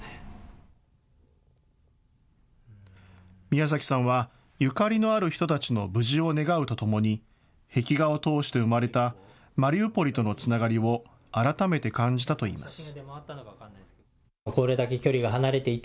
ミヤザキさんは、ゆかりのある人たちの無事を願うとともに壁画を通して生まれたマリウポリとのつながりを改めて感じたといいます。